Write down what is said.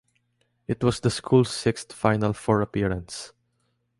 It was the school's sixth final four appearance.